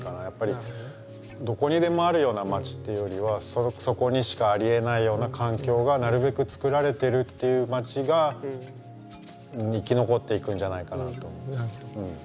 やっぱりどこにでもあるような街っていうよりはそこにしかありえないような環境がなるべく作られてるっていう街が生き残っていくんじゃないかなと思う。